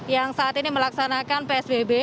yang saat ini melaksanakan psbb